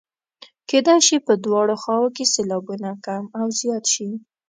کیدلای شي په دواړو خواوو کې سېلابونه کم او زیات شي.